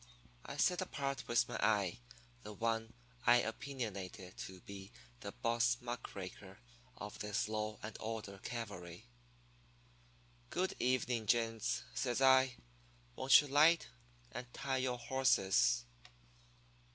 I set apart with my eye the one I opinionated to be the boss muck raker of this law and order cavalry. "'Good evening, gents,' says I. 'Won't you 'light, and tie your horses?'